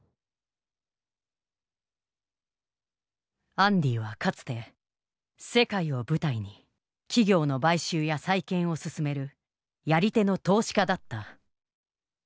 アンディはかつて世界を舞台に企業の買収や再建を進めるやり手の投資家だった。